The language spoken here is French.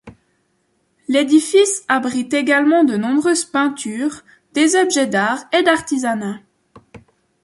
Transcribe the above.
L'édifice abrite également de nombreuses peintures, des objets d'art et d'artisanat.